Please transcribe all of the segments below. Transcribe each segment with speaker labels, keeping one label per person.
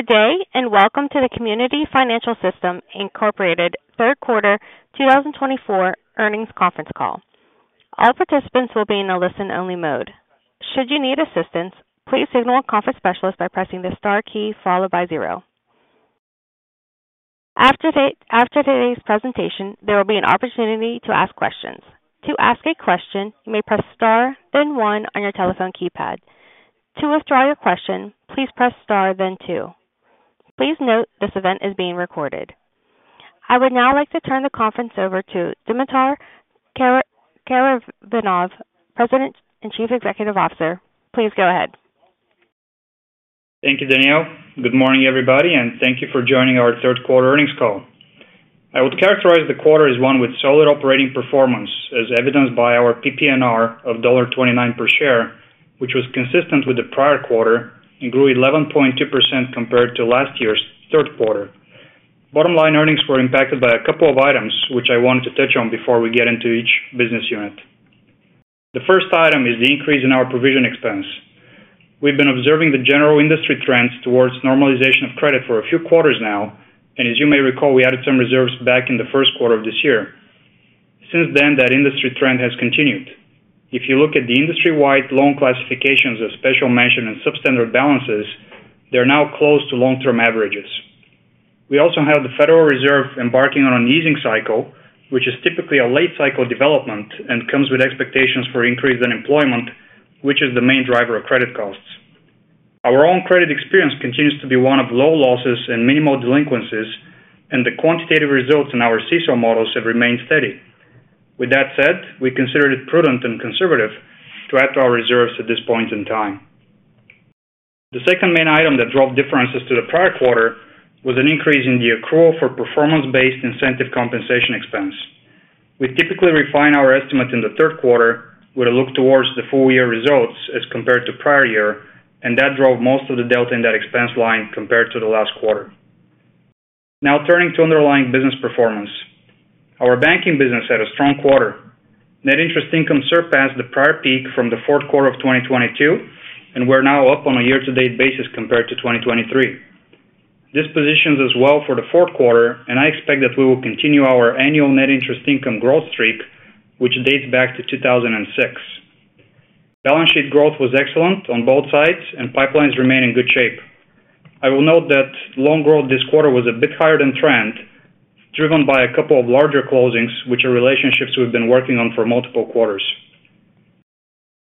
Speaker 1: Good day, and welcome to the Community Financial System Incorporated Q3 twenty twenty-four earnings conference call. All participants will be in a listen-only mode. Should you need assistance, please signal a conference specialist by pressing the star key followed by zero. After today's presentation, there will be an opportunity to ask questions. To ask a question, you may press star, then one on your telephone keypad. To withdraw your question, please press star then two. Please note, this event is being recorded. I would now like to turn the conference over to Dimitar Karaivanov, President and Chief Executive Officer. Please go ahead.
Speaker 2: Thank you, Danielle. Good morning, everybody, and thank you for joining our Q3 earnings call. I would characterize the quarter as one with solid operating performance, as evidenced by our PPNR of $29 per share, which was consistent with the prior quarter and grew 11.2% compared to last year's Q3. Bottom line earnings were impacted by a couple of items, which I wanted to touch on before we get into each business unit. The first item is the increase in our provision expense. We've been observing the general industry trends towards normalization of credit for a few quarters now, and as you may recall, we added some reserves back in the Q1 of this year. Since then, that industry trend has continued. If you look at the industry-wide loan classifications of special mention and substandard balances, they're now close to long-term averages. We also have the Federal Reserve embarking on an easing cycle, which is typically a late cycle development and comes with expectations for increased unemployment, which is the main driver of credit costs. Our own credit experience continues to be one of low losses and minimal delinquencies, and the quantitative results in our CECL models have remained steady. With that said, we considered it prudent and conservative to add to our reserves at this point in time. The second main item that drove differences to the prior quarter was an increase in the accrual for performance-based incentive compensation expense. We typically refine our estimate in the Q3 with a look towards the full year results as compared to prior year, and that drove most of the delta in that expense line compared to the last quarter. Now turning to underlying business performance. Our banking business had a strong quarter. Net interest income surpassed the prior peak from the Q4 of twenty twenty-two, and we're now up on a year-to-date basis compared to twenty twenty-three. This positions us well for the Q4, and I expect that we will continue our annual net interest income growth streak, which dates back to 2006. Balance sheet growth was excellent on both sides and pipelines remain in good shape. I will note that loan growth this quarter was a bit higher than trend, driven by a couple of larger closings, which are relationships we've been working on for multiple quarters.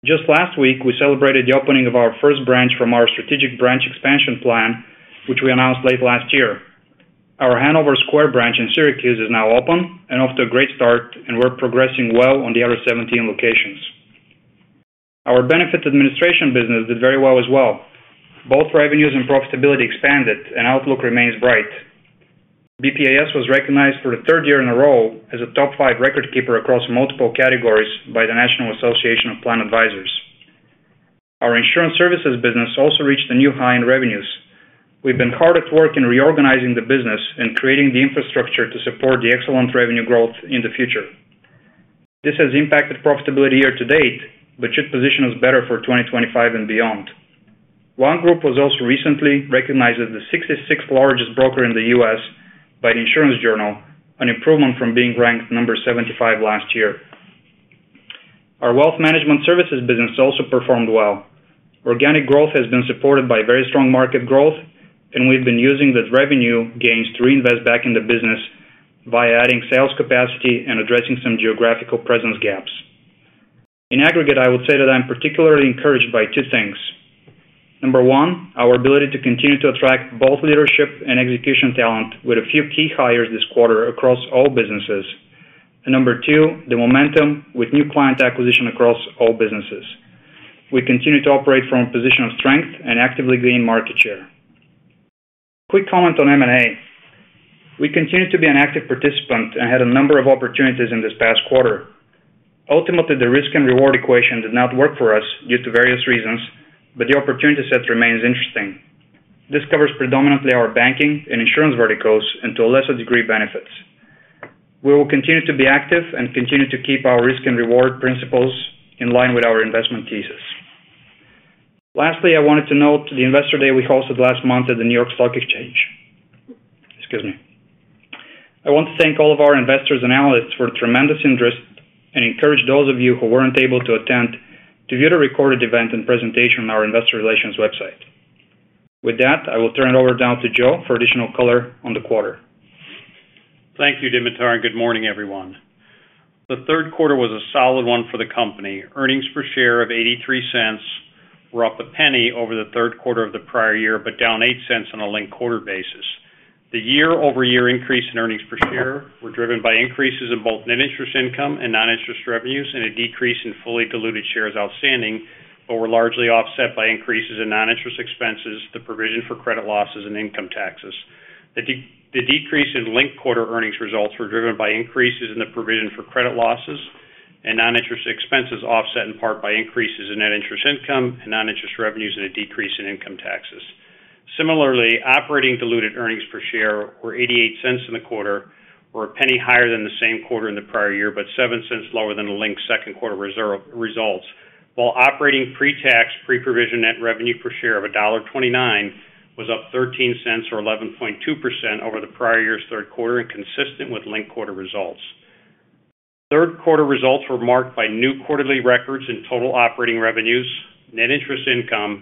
Speaker 2: Just last week, we celebrated the opening of our first branch from our strategic branch expansion plan, which we announced late last year. Our Hanover Square branch in Syracuse is now open and off to a great start, and we're progressing well on the other 17 locations. Our benefits administration business did very well as well. Both revenues and profitability expanded and outlook remains bright. BPAS was recognized for the third year in a row as a top five record keeper across multiple categories by the National Association of Plan Advisors. Our insurance services business also reached a new high in revenues. We've been hard at work in reorganizing the business and creating the infrastructure to support the excellent revenue growth in the future. This has impacted profitability year to date, but should position us better for twenty twenty-five and beyond. OneGroup was also recently recognized as the 66th largest broker in the U.S. by the Insurance Journal, an improvement from being ranked number 75 last year. Our wealth management services business also performed well. Organic growth has been supported by very strong market growth, and we've been using the revenue gains to reinvest back in the business by adding sales capacity and addressing some geographical presence gaps. In aggregate, I would say that I'm particularly encouraged by two things. Number one, our ability to continue to attract both leadership and execution talent with a few key hires this quarter across all businesses. And number two, the momentum with new client acquisition across all businesses. We continue to operate from a position of strength and actively gain market share. Quick comment on M&A. We continue to be an active participant and had a number of opportunities in this past quarter. Ultimately, the risk and reward equation did not work for us due to various reasons, but the opportunity set remains interesting. This covers predominantly our banking and insurance verticals and to a lesser degree, benefits. We will continue to be active and continue to keep our risk and reward principles in line with our investment thesis. Lastly, I wanted to note the Investor Day we hosted last month at the New York Stock Exchange. Excuse me. I want to thank all of our investors and analysts for their tremendous interest and encourage those of you who weren't able to attend to view the recorded event and presentation on our investor relations website. With that, I will turn it over now to Joe for additional color on the quarter.
Speaker 3: Thank you, Dimitar, and good morning, everyone. The Q3 was a solid one for the company. Earnings per share of $0.83 were up $0.01 over the Q3 of the prior year, but down $0.08 on a linked quarter basis. The year-over-year increase in earnings per share were driven by increases in both net interest income and non-interest revenues, and a decrease in fully diluted shares outstanding, but were largely offset by increases in non-interest expenses, the provision for credit losses and income taxes. The decrease in linked quarter earnings results were driven by increases in the provision for credit losses and non-interest expenses, offset in part by increases in net interest income and non-interest revenues, and a decrease in income taxes. Similarly, operating diluted earnings per share were $0.88 in the quarter, or $0.01 higher than the same quarter in the prior year, but $0.07 lower than the linked Q2 reserve results.... While operating pre-tax, pre-provision net revenue per share of $1.29 was up 13 cents, or 11.2% over the prior year's Q3, and consistent with linked quarter results. Q3 results were marked by new quarterly records in total operating revenues, net interest income,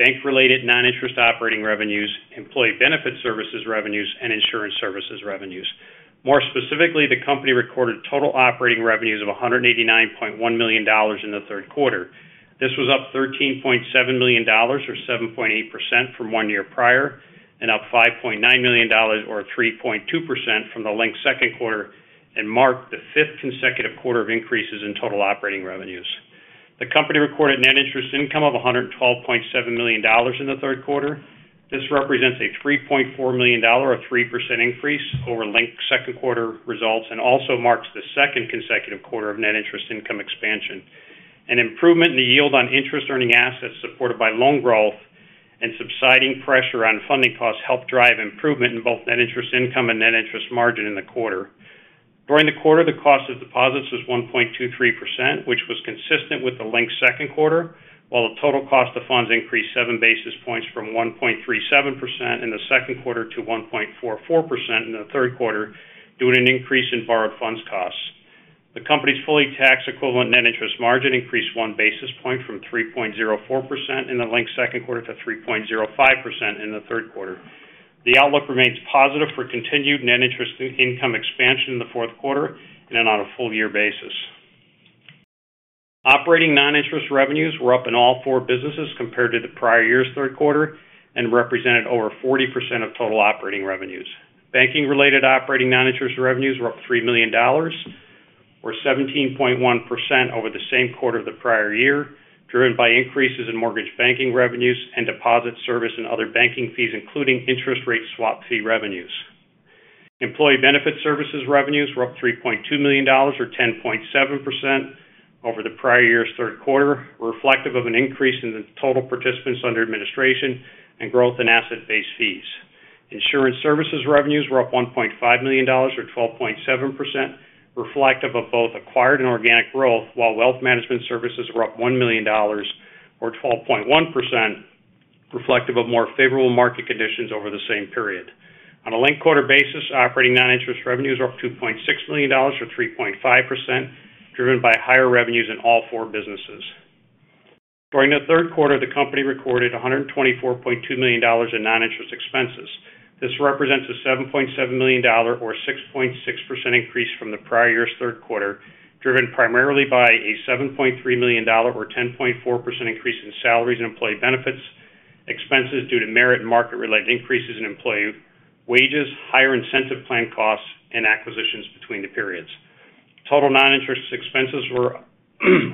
Speaker 3: bank-related non-interest operating revenues, employee benefit services revenues, and insurance services revenues. More specifically, the company recorded total operating revenues of $189.1 million in the Q3. This was up $13.7 million, or 7.8% from one year prior, and up $5.9 million, or 3.2% from the linked Q2, and marked the fifth consecutive quarter of increases in total operating revenues. The company recorded net interest income of $112.7 million in the Q3. This represents a $3.4 million, or 3% increase over linked Q2 results, and also marks the second consecutive quarter of net interest income expansion. An improvement in the yield on interest earning assets, supported by loan growth and subsiding pressure on funding costs, helped drive improvement in both net interest income and net interest margin in the quarter. During the quarter, the cost of deposits was 1.23%, which was consistent with the linked second quarter, while the total cost of funds increased seven basis points from 1.37% in the Q2 to 1.44% in the Q3, due to an increase in borrowed funds costs. The company's fully tax equivalent net interest margin increased one basis point from 3.04% in the linked Q2 to 3.05% in the Q3. The outlook remains positive for continued net interest income expansion in the Q4 and then on a full year basis. Operating non-interest revenues were up in all four businesses compared to the prior year's Q3, and represented over 40% of total operating revenues. Banking-related operating non-interest revenues were up $3 million, or 17.1% over the same quarter of the prior year, driven by increases in mortgage banking revenues and deposit service and other banking fees, including interest rate swap fee revenues. Employee benefit services revenues were up $3.2 million, or 10.7% over the prior year's Q3, reflective of an increase in the total participants under administration and growth in asset-based fees. Insurance services revenues were up $1.5 million, or 12.7%, reflective of both acquired and organic growth, while wealth management services were up $1 million, or 12.1%, reflective of more favorable market conditions over the same period. On a linked quarter basis, operating non-interest revenues are up $2.6 million, or 3.5%, driven by higher revenues in all four businesses. During the Q3, the company recorded $124.2 million in non-interest expenses. This represents a $7.7 million, or 6.6% increase from the prior year's Q3, driven primarily by a $7.3 million, or 10.4% increase in salaries and employee benefits expenses due to merit and market-related increases in employee wages, higher incentive plan costs, and acquisitions between the periods. Total non-interest expenses were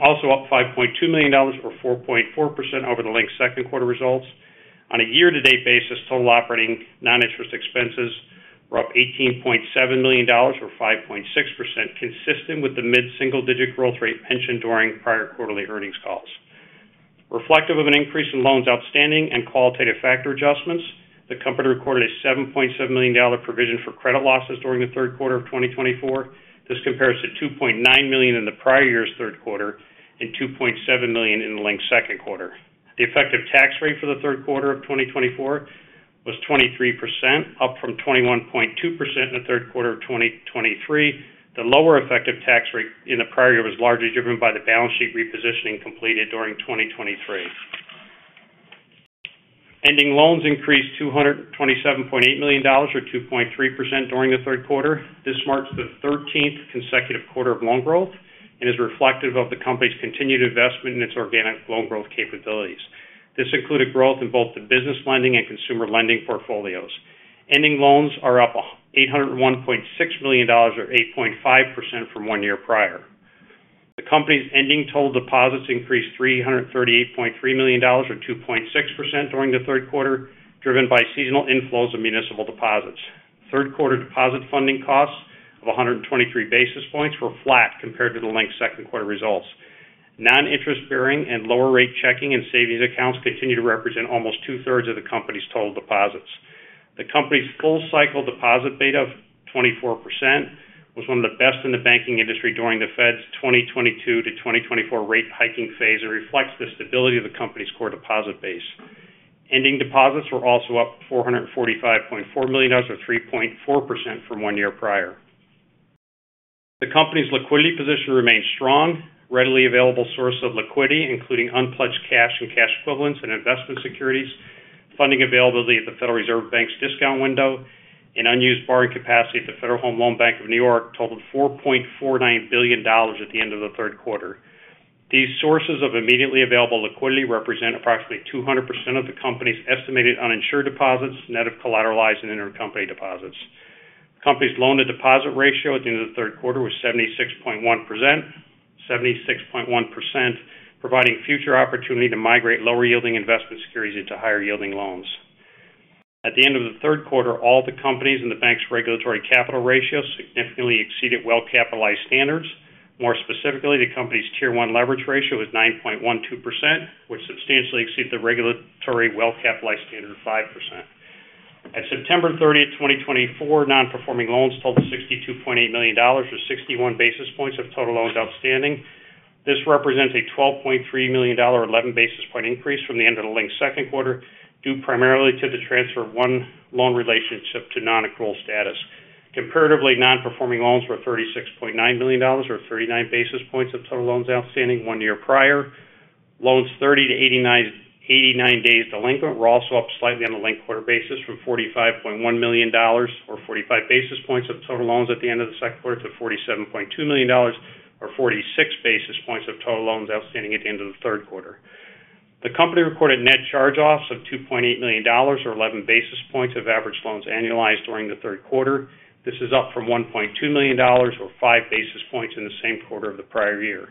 Speaker 3: also up $5.2 million, or 4.4% over the linked Q2 results. On a year-to-date basis, total operating non-interest expenses were up $18.7 million, or 5.6%, consistent with the mid-single-digit growth rate mentioned during prior quarterly earnings calls. Reflective of an increase in loans outstanding and qualitative factor adjustments, the company recorded a $7.7 million provision for credit losses during the Q3 of twenty twenty-five. This compares to $2.9 million in the prior year's Q3 and $2.7 million in the linked Q2. The effective tax rate for the Q3 of twenty twenty-four was 23%, up from 21.2% in the Q3 of twenty twenty-three. The lower effective tax rate in the prior year was largely driven by the balance sheet repositioning completed during twenty twenty-three. Ending loans increased $227.8 million, or 2.3%, during the Q3. This marks the thirteenth consecutive quarter of loan growth and is reflective of the company's continued investment in its organic loan growth capabilities. This included growth in both the business lending and consumer lending portfolios. Ending loans are up $801.6 million, or 8.5% from one year prior. The company's ending total deposits increased $338.3 million, or 2.6%, during the Q3, driven by seasonal inflows of municipal deposits. Q3 deposit funding costs of 123 basis points were flat compared to the linked Q2 results. Non-interest-bearing and lower rate checking and savings accounts continue to represent almost two-thirds of the company's total deposits. The company's full cycle deposit beta of 24% was one of the best in the banking industry during the Fed's twenty twenty-two to twenty twenty-four rate hiking phase, and reflects the stability of the company's core deposit base. Ending deposits were also up $445.4 million, or 3.4% from one year prior. The company's liquidity position remains strong, readily available source of liquidity, including unpledged cash and cash equivalents and investment securities, funding availability at the Federal Reserve Bank's discount window, and unused borrowing capacity at the Federal Home Loan Bank of New York totaled $4.49 billion at the end of the Q3. These sources of immediately available liquidity represent approximately 200% of the company's estimated uninsured deposits, net of collateralized and intercompany deposits. Company's loan to deposit ratio at the end of the Q3 was 76.1%, 76.1%, providing future opportunity to migrate lower yielding investment securities into higher yielding loans. At the end of the Q3, all the companies in the bank's regulatory capital ratio significantly exceeded well-capitalized standards. More specifically, the company's Tier 1 leverage ratio is 9.12%, which substantially exceeds the regulatory well-capitalized standard of 5%. At 30th of September, Twenty twenty-four, non-performing loans totaled $62.8 million, or 61 basis points of total loans outstanding. This represents a $12.3 million or 11 basis point increase from the end of the linked Q2, due primarily to the transfer of one loan relationship to non-accrual status. Comparatively, non-performing loans were $36.9 million, or 39 basis points of total loans outstanding one year prior. Loans thirty to eighty-nine days delinquent were also up slightly on a linked quarter basis from $45.1 million or 45 basis points of total loans at the end of the Q2 to $47.2 million or 46 basis points of total loans outstanding at the end of the Q3. The company recorded net charge-offs of $2.8 million or eleven basis points of average loans annualized during the Q3. This is up from $1.2 million or five basis points in the same quarter of the prior year.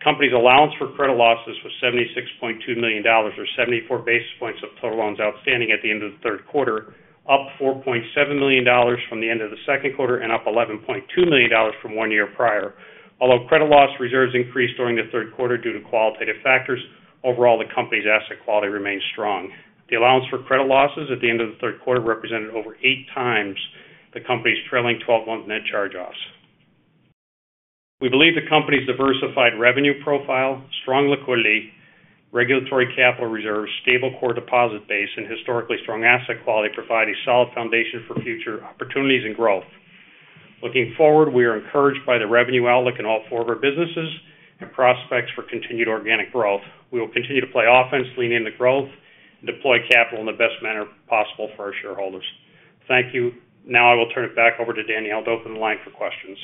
Speaker 3: The company's allowance for credit losses was $76.2 million or seventy-four basis points of total loans outstanding at the end of the Q3, up $4.7 million from the end of the Q2 and up $11.2 million from one year prior. Although credit loss reserves increased during the Q3 due to qualitative factors, overall, the company's asset quality remains strong. The allowance for credit losses at the end of the Q3 represented over eight times the company's trailing twelve-month net charge-offs. We believe the company's diversified revenue profile, strong liquidity, regulatory capital reserves, stable core deposit base, and historically strong asset quality provide a solid foundation for future opportunities and growth. Looking forward, we are encouraged by the revenue outlook in all four of our businesses and prospects for continued organic growth. We will continue to play offense, lean into growth, and deploy capital in the best manner possible for our shareholders. Thank you. Now, I will turn it back over to Danielle to open the line for questions.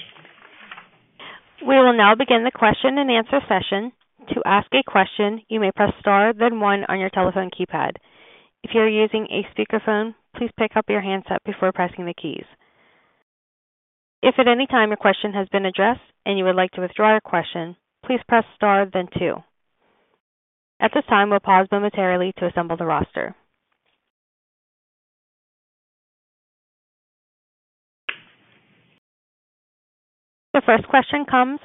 Speaker 1: We will now begin the question-and-answer session. To ask a question, you may press star, then one on your telephone keypad. If you're using a speakerphone, please pick up your handset before pressing the keys. If at any time your question has been addressed and you would like to withdraw your question, please press star then two. At this time, we'll pause momentarily to assemble the roster. The first question comes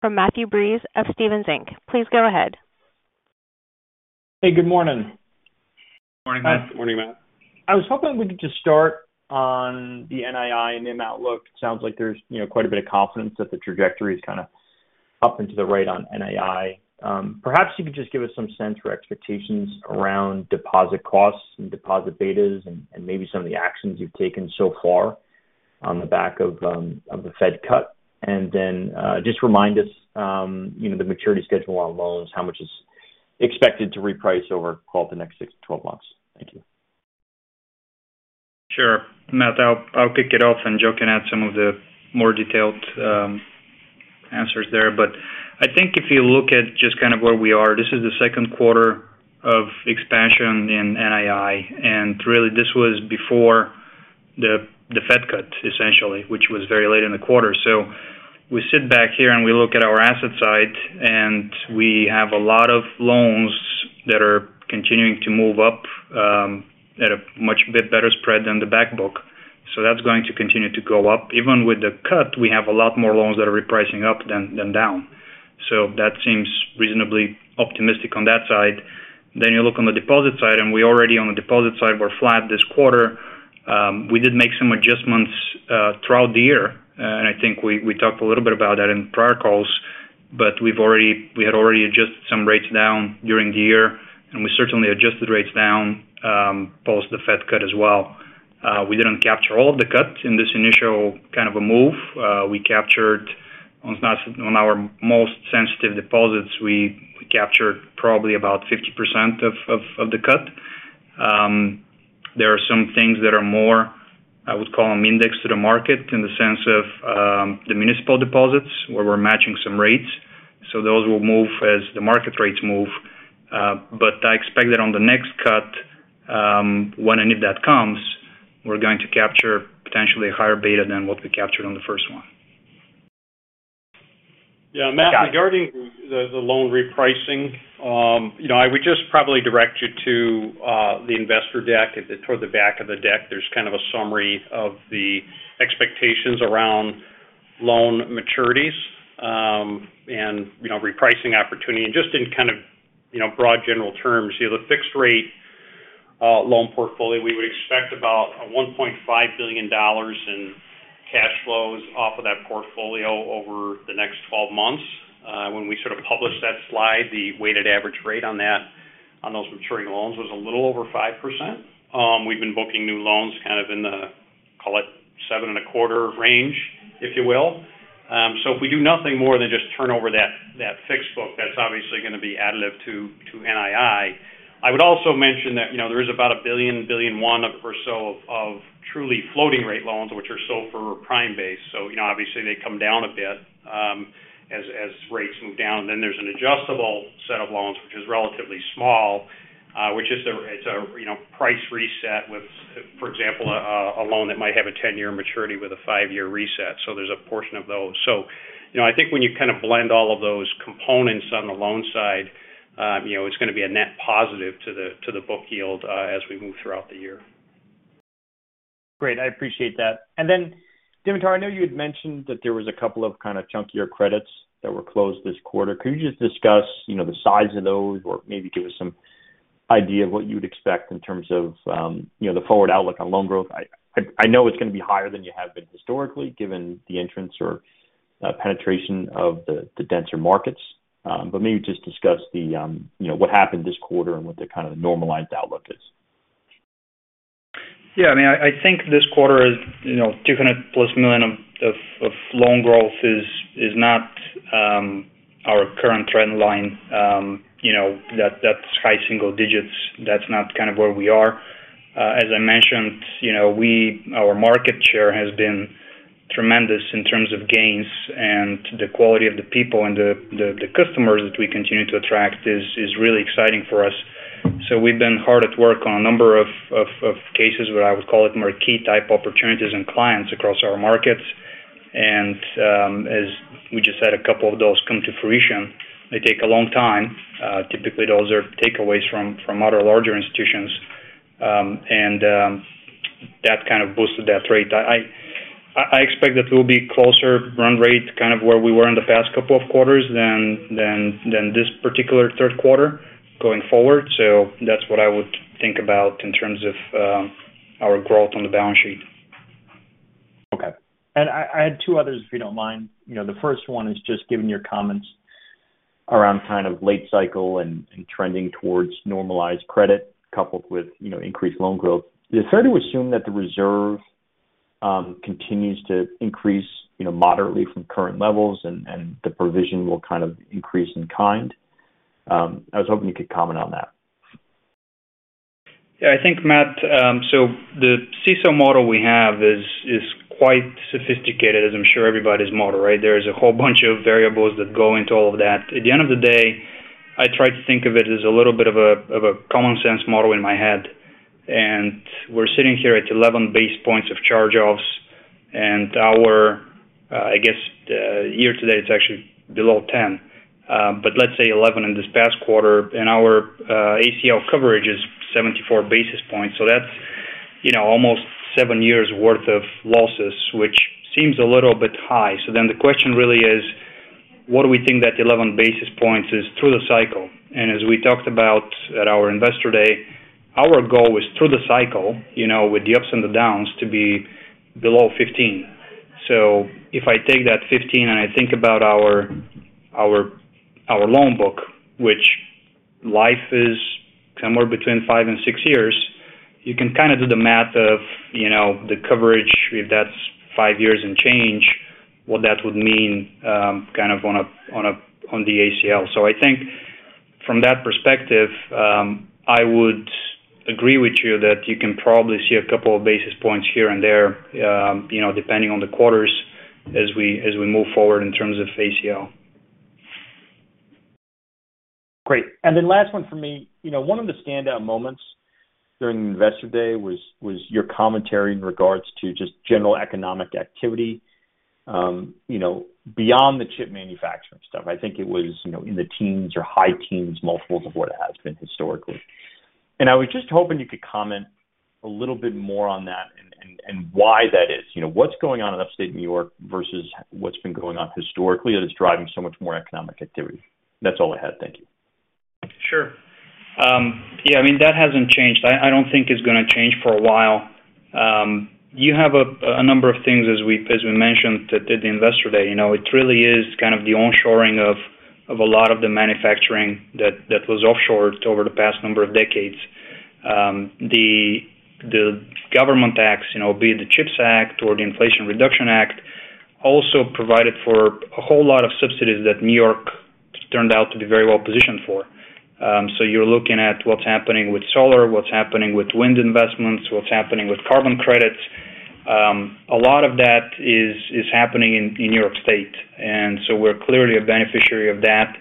Speaker 1: from Matthew Breese of Stephens.Please go ahead.
Speaker 4: Hey, good morning.
Speaker 3: Morning, Matt.
Speaker 2: Morning, Matt.
Speaker 4: I was hoping we could just start on the NII and NIM outlook. It sounds like there's, you know, quite a bit of confidence that the trajectory is kind of up and to the right on NII. Perhaps you could just give us some sense or expectations around deposit costs and deposit betas and maybe some of the actions you've taken so far on the back of the Fed cut. And then just remind us, you know, the maturity schedule on loans, how much is expected to reprice over, call it, the next six to twelve months? Thank you.
Speaker 2: Sure. Matt, I'll kick it off, and Joe can add some of the more detailed answers there. But I think if you look at just kind of where we are, this is the Q2 of expansion in NII, and really, this was before the Fed cut, essentially, which was very late in the quarter. So we sit back here, and we look at our asset side, and we have a lot of loans that are continuing to move up at a much bit better spread than the back book. So that's going to continue to go up. Even with the cut, we have a lot more loans that are repricing up than down. So that seems reasonably optimistic on that side. Then you look on the deposit side, and we already on the deposit side, we're flat this quarter. We did make some adjustments throughout the year, and I think we talked a little bit about that in prior calls, but we've already adjusted some rates down during the year, and we certainly adjusted rates down, post the Fed cut as well. We didn't capture all of the cuts in this initial kind of a move. We captured on our most sensitive deposits probably about 50% of the cut. There are some things that are more, I would call them, indexed to the market in the sense of the municipal deposits, where we're matching some rates. So those will move as the market rates move. But I expect that on the next cut, when any of that comes, we're going to capture potentially a higher beta than what we captured on the first one.
Speaker 3: Yeah, Matt, regarding the loan repricing, you know, I would just probably direct you to the investor deck. Toward the back of the deck, there's kind of a summary of the expectations around loan maturities and, you know, repricing opportunity. Just in kind of, you know, broad general terms, you know, the fixed rate loan portfolio, we would expect about $1.5 billion in cash flows off of that portfolio over the next twelve months. When we sort of published that slide, the weighted average rate on that, on those maturing loans was a little over 5%. We've been booking new loans kind of in the, call it, 7.25% range, if you will, so if we do nothing more than just turn over that fixed book, that's obviously going to be additive to NII. I would also mention that, you know, there is about $1.1 billion or so of truly floating rate loans, which are SOFR or prime based. So you know, obviously, they come down a bit, as rates move down. Then there's an adjustable set of loans, which is relatively small, it's a you know price reset with, for example, a loan that might have a ten-year maturity with a five-year reset. So there's a portion of those. So, you know, I think when you kind of blend all of those components on the loan side, you know, it's going to be a net positive to the, to the book yield, as we move throughout the year....
Speaker 4: Great, I appreciate that. And then, Dimitar, I know you had mentioned that there was a couple of kind of chunkier credits that were closed this quarter. Could you just discuss, you know, the size of those or maybe give us some idea of what you would expect in terms of, you know, the forward outlook on loan growth? I know it's going to be higher than you have been historically, given the entrance or penetration of the denser markets. But maybe just discuss the, you know, what happened this quarter and what the kind of normalized outlook is.
Speaker 2: Yeah, I mean, I think this quarter is, you know, $200 million plus of loan growth is not our current trend line. You know, that's high single digits. That's not kind of where we are. As I mentioned, you know, we, our market share has been tremendous in terms of gains and the quality of the people and the customers that we continue to attract is really exciting for us. So we've been hard at work on a number of cases where I would call it more key type opportunities and clients across our markets. And as we just had a couple of those come to fruition, they take a long time. Typically, those are takeaways from other larger institutions, and that kind of boosted that rate. I expect that we'll be closer run rate, kind of where we were in the past couple of quarters than this particular Q3 going forward. So that's what I would think about in terms of our growth on the balance sheet.
Speaker 4: Okay. And I had two others, if you don't mind. You know, the first one is just given your comments around kind of late cycle and trending towards normalized credit, coupled with, you know, increased loan growth. Is it fair to assume that the reserve continues to increase, you know, moderately from current levels and the provision will kind of increase in kind? I was hoping you could comment on that.
Speaker 2: Yeah, I think, Matt, so the CECL model we have is quite sophisticated, as I'm sure everybody's model, right? There is a whole bunch of variables that go into all of that. At the end of the day, I try to think of it as a little bit of a common sense model in my head. We're sitting here at 11 basis points of charge-offs, and our, I guess, year to date, it's actually below 10. But let's say 11 in this past quarter, and our, ACL coverage is 74 basis points. So that's, you know, almost 7 years worth of losses, which seems a little bit high. So then the question really is, what do we think that 11 basis points is through the cycle? And as we talked about at our Investor Day, our goal is through the cycle, you know, with the ups and the downs, to be below 15. So if I take that 15 and I think about our loan book, which life is somewhere between five and six years, you can kind of do the math of, you know, the coverage, if that's five years and change, what that would mean, kind of on the ACL. So I think from that perspective, I would agree with you that you can probably see a couple of basis points here and there, you know, depending on the quarters as we move forward in terms of ACL.
Speaker 4: Great. And then last one for me. You know, one of the standout moments during Investor Day was your commentary in regards to just general economic activity, you know, beyond the chip manufacturing stuff. I think it was, you know, in the teens or high teens, multiples of what it has been historically. And I was just hoping you could comment a little bit more on that and why that is. You know, what's going on in Upstate New York versus what's been going on historically, that is driving so much more economic activity? That's all I had. Thank you.
Speaker 2: Sure. Yeah, I mean, that hasn't changed. I don't think it's gonna change for a while. You have a number of things as we mentioned at the Investor Day. You know, it really is kind of the onshoring of a lot of the manufacturing that was offshored over the past number of decades. The government acts, you know, be it the CHIPS Act or the Inflation Reduction Act, also provided for a whole lot of subsidies that New York turned out to be very well positioned for. So you're looking at what's happening with solar, what's happening with wind investments, what's happening with carbon credits. A lot of that is happening in New York State, and so we're clearly a beneficiary of that.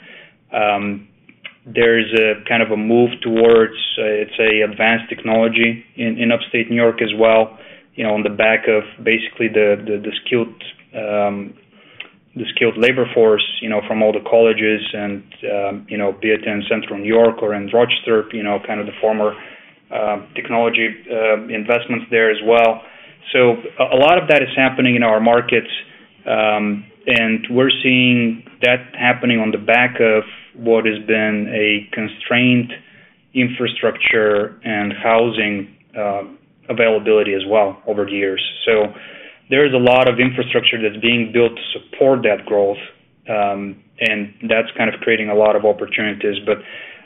Speaker 2: There is a kind of a move towards, let's say, advanced technology in upstate New York as well, you know, on the back of basically the skilled labor force, you know, from all the colleges and, you know, be it in central New York or in Rochester, you know, kind of the former technology investments there as well. So a lot of that is happening in our markets, and we're seeing that happening on the back of what has been a constrained infrastructure and housing availability as well over years. So there is a lot of infrastructure that's being built to support that growth, and that's kind of creating a lot of opportunities. But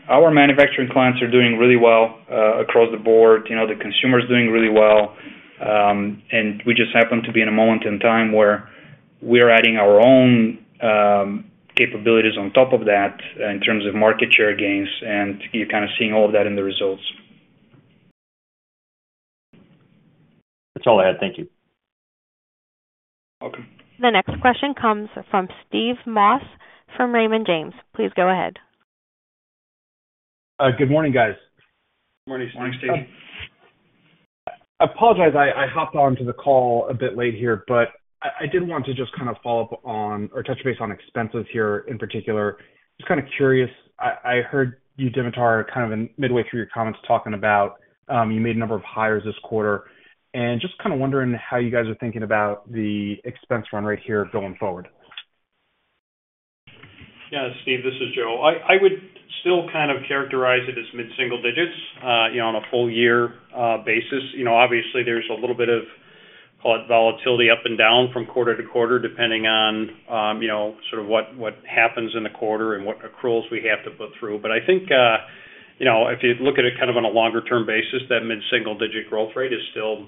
Speaker 2: our manufacturing clients are doing really well across the board. You know, the consumer is doing really well, and we just happen to be in a moment in time where we are adding our own capabilities on top of that in terms of market share gains, and you're kind of seeing all of that in the results.
Speaker 4: That's all I had. Thank you.
Speaker 2: Welcome.
Speaker 1: The next question comes from Steve Moss from Raymond James. Please go ahead.
Speaker 5: Good morning, guys.
Speaker 2: Good morning, Steve.
Speaker 5: I apologize, I hopped onto the call a bit late here, but I did want to just kind of follow up on or touch base on expenses here in particular. Just kind of curious, I heard you, Dimitar, kind of in midway through your comments, talking about you made a number of hires this quarter, and just kind of wondering how you guys are thinking about the expense run right here going forward?
Speaker 3: Yeah, Steve, this is Joe. I would still kind of characterize it as mid-single digits, you know, on a full year basis. You know, obviously, there's a little bit of volatility up and down from quarter-to-quarter, depending on, you know, sort of what happens in the quarter and what accruals we have to put through. But I think, you know, if you look at it kind of on a longer term basis, that mid-single digit growth rate is still,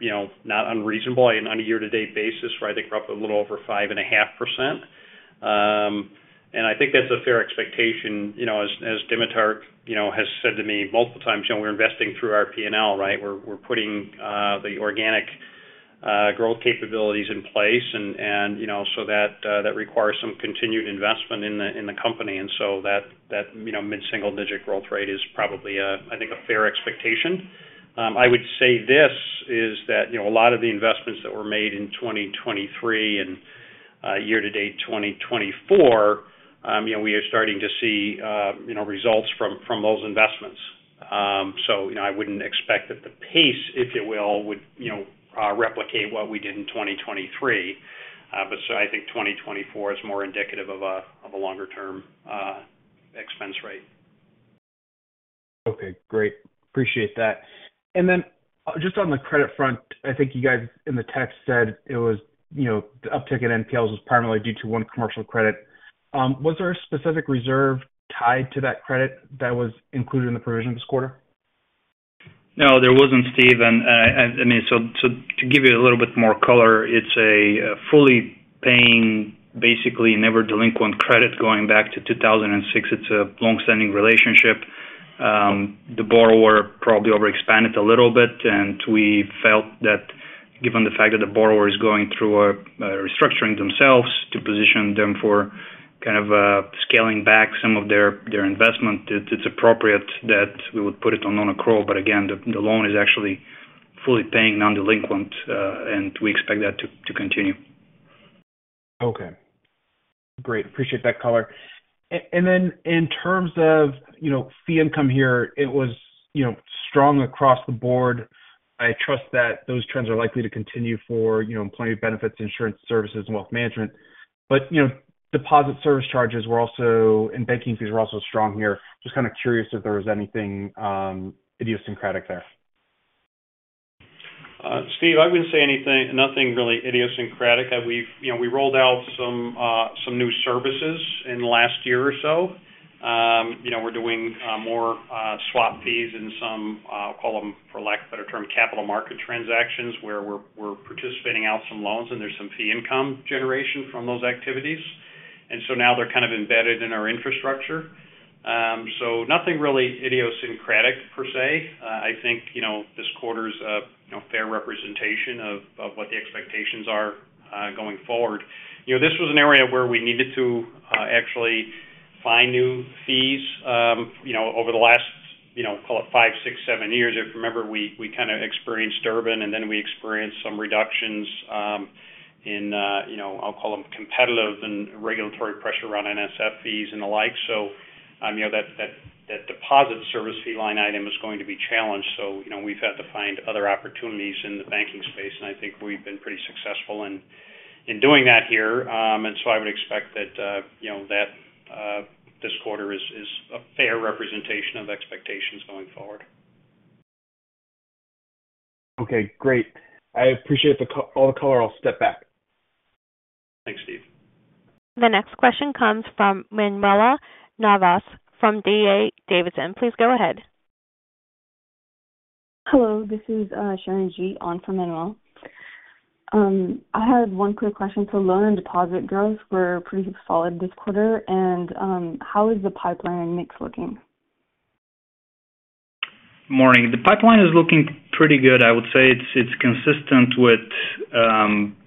Speaker 3: you know, not unreasonable on a year-to-date basis, where I think we're up a little over 5.5%. And I think that's a fair expectation. You know, as Dimitar, you know, has said to me multiple times, you know, we're investing through our P&L, right? We're putting the organic growth capabilities in place and, you know, so that that requires some continued investment in the company. And so that, you know, mid-single digit growth rate is probably, I think, a fair expectation. I would say this is that, you know, a lot of the investments that were made in twenty twenty-three and year-to-date twenty twenty-four, you know, we are starting to see, you know, results from those investments. So, you know, I wouldn't expect that the pace, if you will, would, you know, replicate what we did in twenty twenty-three, but so I think twenty twenty-four is more indicative of a longer term expense rate.
Speaker 5: Okay, great. Appreciate that. And then just on the credit front, I think you guys in the text said it was, you know, the uptick in NPLs was primarily due to one commercial credit. Was there a specific reserve tied to that credit that was included in the provision this quarter?
Speaker 2: No, there wasn't, Steve. And, I mean, so to give you a little bit more color, it's a fully paying, basically, never delinquent credit going back to two thousand and six. It's a long-standing relationship. The borrower probably overexpanded a little bit, and we felt that given the fact that the borrower is going through a restructuring themselves to position them for kind of scaling back some of their investment, it's appropriate that we would put it on non-accrual. But again, the loan is actually fully paying non-delinquent, and we expect that to continue.
Speaker 5: Okay, great. Appreciate that color. And then in terms of, you know, fee income here, it was, you know, strong across the board. I trust that those trends are likely to continue for, you know, employee benefits, insurance services, and wealth management. But, you know, deposit service charges were also... and banking fees were also strong here. Just kind of curious if there was anything idiosyncratic there.
Speaker 3: Steve, I wouldn't say anything - nothing really idiosyncratic. We've, you know, we rolled out some new services in the last year or so. You know, we're doing more swap fees in some, call them, for lack of a better term, capital market transactions, where we're participating out some loans and there's some fee income generation from those activities. And so now they're kind of embedded in our infrastructure. So nothing really idiosyncratic per se. I think, you know, this quarter's a, you know, fair representation of what the expectations are going forward. You know, this was an area where we needed to actually find new fees. You know, over the last, you know, call it five, six, seven years, if you remember, we kind of experienced a run-up, and then we experienced some reductions in, you know, I'll call them competitive and regulatory pressure around NSF fees and the like. So, you know, that deposit service fee line item is going to be challenged. So, you know, we've had to find other opportunities in the banking space, and I think we've been pretty successful in doing that here. And so I would expect that, you know, that this quarter is a fair representation of expectations going forward.
Speaker 5: Okay, great. I appreciate all the color. I'll step back.
Speaker 3: Thanks, Steve.
Speaker 1: The next question comes from Manuel Navas, from D.A. Davidson. Please go ahead.
Speaker 6: Hello, this is Sharon Ji on for Manuel. I had one quick question. So loan and deposit growth were pretty solid this quarter, and how is the pipeline mix looking?
Speaker 2: Morning. The pipeline is looking pretty good. I would say it's consistent with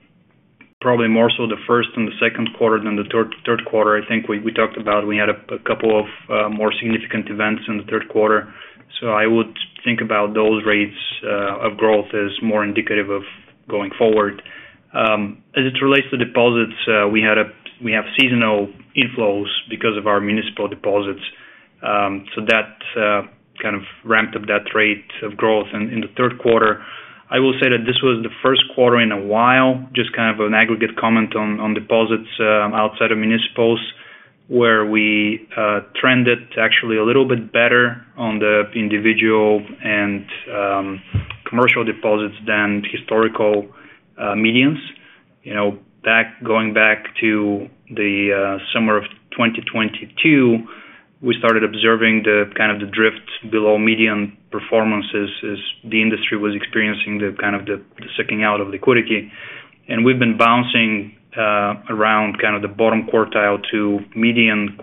Speaker 2: probably more so the first and the Q2 than the Q3. I think we talked about we had a couple of more significant events in the Q3, so I would think about those rates of growth as more indicative of going forward. As it relates to deposits, we have seasonal inflows because of our municipal deposits. So that kind of ramped up that rate of growth in the Q3. I will say that this was the Q1 in a while, just kind of an aggregate comment on deposits outside of municipals, where we trended actually a little bit better on the individual and commercial deposits than historical medians. You know, back, going back to the summer of twenty twenty-two, we started observing the kind of drift below median performances as the industry was experiencing the kind of sucking out of liquidity. We've been bouncing around kind of the bottom quartile to median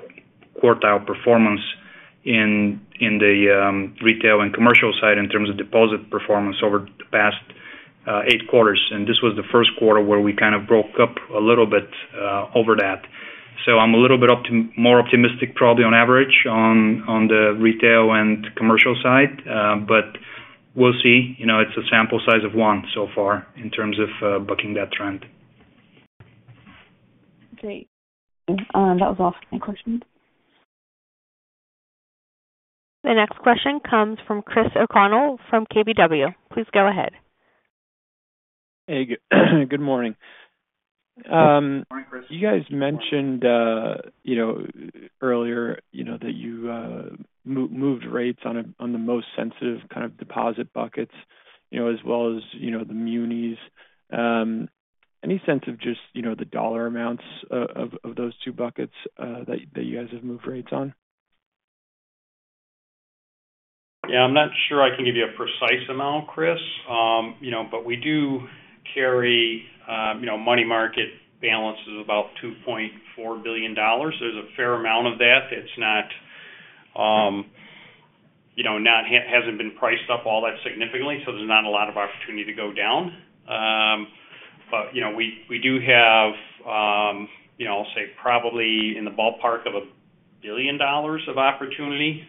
Speaker 2: quartile performance in the retail and commercial side in terms of deposit performance over the past eight quarters. This was the Q1 where we kind of broke up a little bit over that. So I'm a little bit more optimistic, probably on average, on the retail and commercial side. But we'll see. You know, it's a sample size of one so far in terms of booking that trend.
Speaker 6: Great. That was all my questions.
Speaker 1: The next question comes from Chris O'Connell from KBW. Please go ahead.
Speaker 2: Hey, good morning.
Speaker 3: Morning, Chris.
Speaker 7: You guys mentioned, you know, earlier, you know, that you moved rates on a, on the most sensitive kind of deposit buckets, you know, as well as, you know, the munis. Any sense of just, you know, the dollar amounts of those two buckets, that you guys have moved rates on?
Speaker 3: Yeah, I'm not sure I can give you a precise amount, Chris. You know, but we do carry, you know, money market balances of about $2.4 billion. There's a fair amount of that. It's not, you know, hasn't been priced up all that significantly, so there's not a lot of opportunity to go down. But, you know, we do have, you know, I'll say probably in the ballpark of $1 billion of opportunity.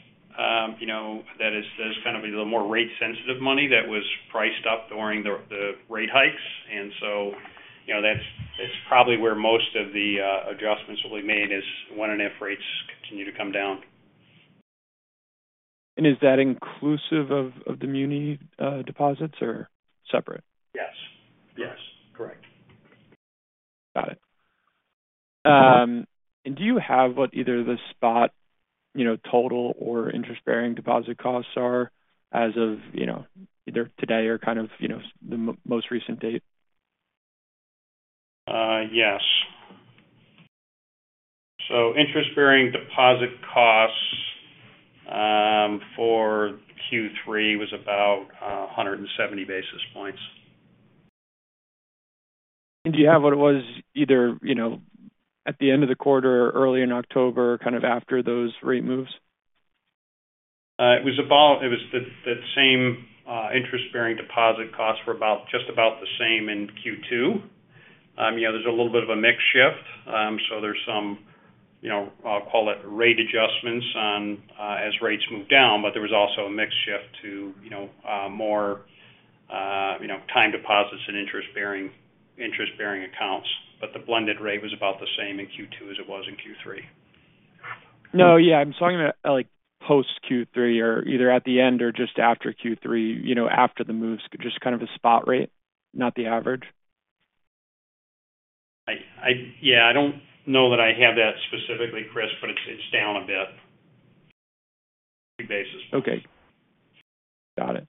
Speaker 3: You know, that is kind of a little more rate-sensitive money that was priced up during the rate hikes, and so, you know, that's. It's probably where most of the adjustments will be made is when and if rates continue to come down.
Speaker 7: Is that inclusive of the muni deposits or separate?
Speaker 3: Yes. Yes, correct.
Speaker 7: Got it. And do you have what either the spot, you know, total or interest-bearing deposit costs are as of, you know, either today or kind of, you know, the most recent date?
Speaker 3: Yes. So interest-bearing deposit costs for Q3 was about a hundred and seventy basis points.
Speaker 7: Do you have what it was either, you know, at the end of the quarter or early in October, kind of after those rate moves?
Speaker 3: It was about the same, interest-bearing deposit costs were just about the same in Q2. You know, there's a little bit of a mix shift, so there's some, you know, I'll call it rate adjustments on, as rates move down, but there was also a mix shift to, you know, more, you know, time deposits and interest-bearing accounts. But the blended rate was about the same in Q2 as it was in Q3.
Speaker 7: No, yeah, I'm talking about, like, post Q3 or either at the end or just after Q3, you know, after the moves, just kind of a spot rate, not the average.
Speaker 3: Yeah, I don't know that I have that specifically, Chris, but it's down a bit. Three basis points.
Speaker 7: Okay. Got it.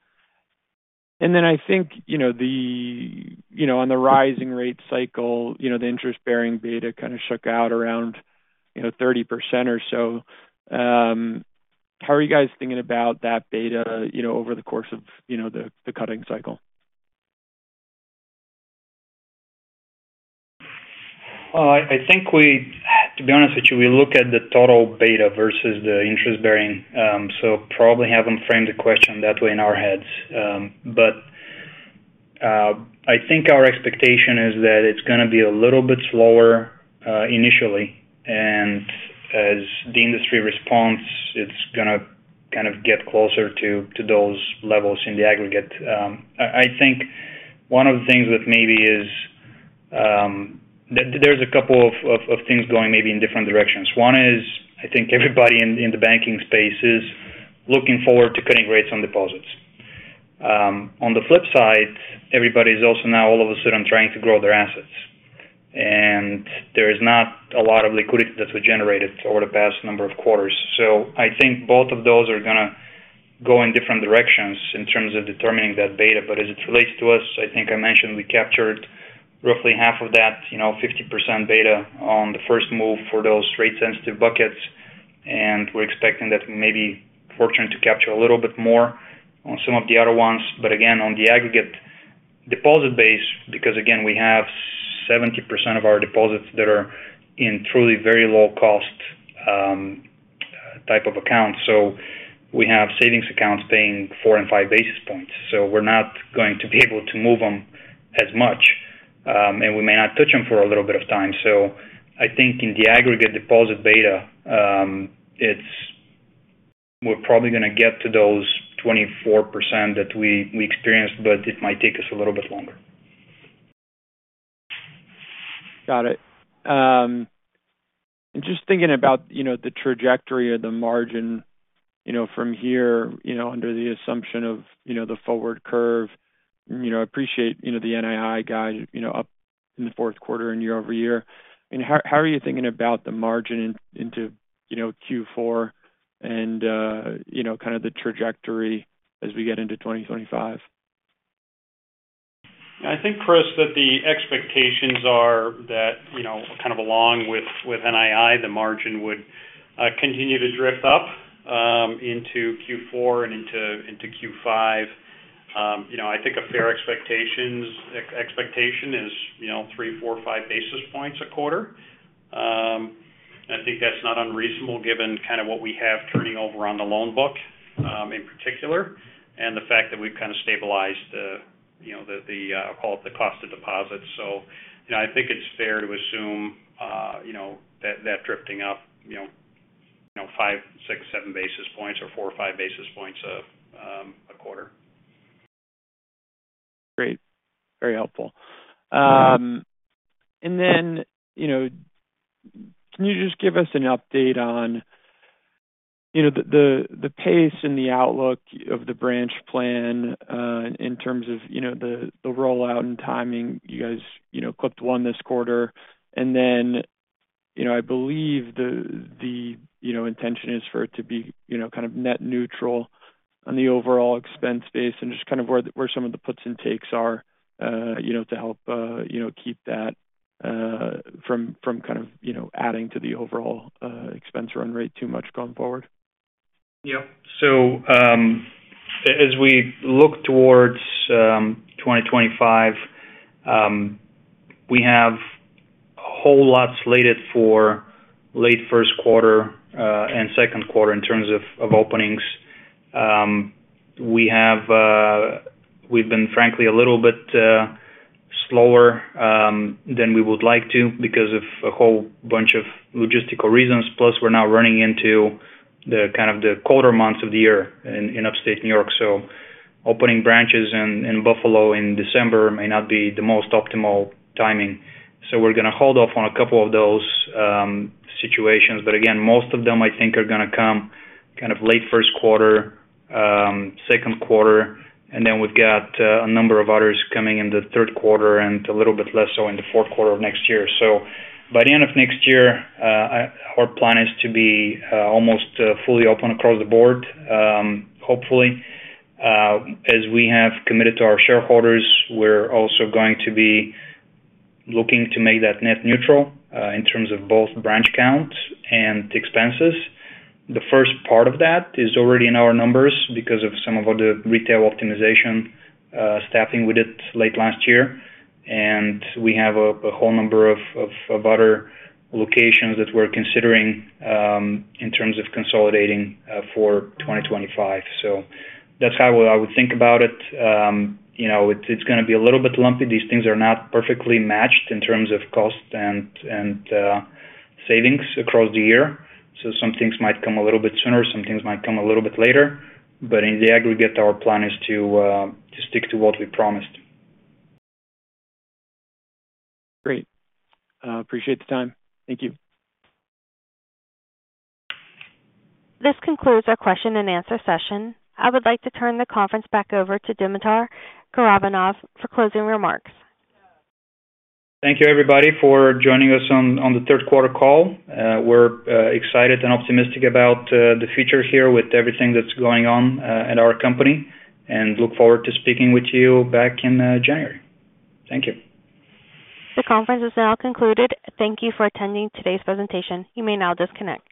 Speaker 7: And then I think, you know, the... You know, on the rising rate cycle, you know, the interest-bearing beta kind of shook out around, you know, 30% or so. How are you guys thinking about that beta, you know, over the course of, you know, the cutting cycle?
Speaker 2: Well, I think we—to be honest with you, we look at the total beta versus the interest bearing, so probably haven't framed the question that way in our heads. But I think our expectation is that it's gonna be a little bit slower initially, and as the industry responds, it's gonna kind of get closer to those levels in the aggregate. I think one of the things that maybe is that there's a couple of things going maybe in different directions. One is, I think everybody in the banking space is looking forward to cutting rates on deposits. On the flip side, everybody is also now all of a sudden trying to grow their assets. And there is not a lot of liquidity that was generated over the past number of quarters. So I think both of those are gonna go in different directions in terms of determining that beta. But as it relates to us, I think I mentioned we captured roughly half of that, you know, 50% beta on the first move for those rate sensitive buckets, and we're expecting that we may be fortunate to capture a little bit more on some of the other ones. But again, on the aggregate deposit base, because again, we have 70% of our deposits that are in truly very low cost type of accounts, so we have savings accounts paying four and five basis points. So we're not going to be able to move them as much, and we may not touch them for a little bit of time. I think in the aggregate deposit beta, we're probably gonna get to those 24% that we experienced, but it might take us a little bit longer.
Speaker 7: Got it. Just thinking about, you know, the trajectory of the margin, you know, from here, you know, under the assumption of, you know, the forward curve, you know, I appreciate, you know, the NII guide, you know, up in the Q4 and year-over-year. I mean, how are you thinking about the margin into, you know, Q4 and, you know, kind of the trajectory as we get into twenty twenty-five?
Speaker 3: I think, Chris, that the expectations are that, you know, kind of along with, with NII, the margin would continue to drift up into Q4 and into Q5. You know, I think a fair expectation is, you know, three, four, or five basis points a quarter. I think that's not unreasonable, given kind of what we have turning over on the loan book, in particular, and the fact that we've kind of stabilized.... you know, the call it the cost of deposits. So, you know, I think it's fair to assume, you know, that drifting up, you know, five, six, seven basis points or four or five basis points a quarter.
Speaker 7: Great. Very helpful. And then, you know, can you just give us an update on, you know, the pace and the outlook of the branch plan, in terms of, you know, the rollout and timing? You guys, you know, clipped one this quarter, and then, you know, I believe the intention is for it to be, you know, kind of net neutral on the overall expense base and just kind of where some of the puts and takes are, you know, to help, you know, keep that, from kind of, you know, adding to the overall, expense run rate too much going forward.
Speaker 2: Yeah. So, as we look towards twenty twenty-five, we have a whole lot slated for late Q1 and Q2 in terms of openings. We have... We've been, frankly, a little bit slower than we would like to because of a whole bunch of logistical reasons. Plus, we're now running into the kind of colder months of the year in Upstate New York, so opening branches in Buffalo in December may not be the most optimal timing. So we're gonna hold off on a couple of those situations. But again, most of them, I think, are gonna come kind of late Q1, Q2, and then we've got a number of others coming in the Q3 and a little bit less so in the Q4 of next year. So by the end of next year, our plan is to be almost fully open across the board, hopefully. As we have committed to our shareholders, we're also going to be looking to make that net neutral in terms of both branch counts and expenses. The first part of that is already in our numbers because of some of the retail optimization staffing we did late last year, and we have a whole number of other locations that we're considering in terms of consolidating for twenty twenty-five. So that's how I would think about it. You know, it's gonna be a little bit lumpy. These things are not perfectly matched in terms of cost and savings across the year, so some things might come a little bit sooner, some things might come a little bit later. But in the aggregate, our plan is to stick to what we promised.
Speaker 7: Great. I appreciate the time. Thank you.
Speaker 1: This concludes our question and answer session. I would like to turn the conference back over to Dimitar Karaivanov for closing remarks.
Speaker 2: Thank you, everybody, for joining us on the Q3 call. We're excited and optimistic about the future here with everything that's going on at our company, and look forward to speaking with you back in January. Thank you.
Speaker 1: The conference is now concluded. Thank you for attending today's presentation. You may now disconnect.